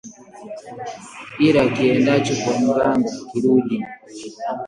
Ila kiendacho kwa mganga hakirudi